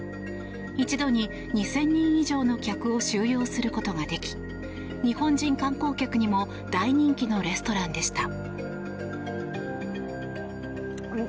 一度に２０００人以上の客を収容することができ日本人観光客にも大人気のレストランでした。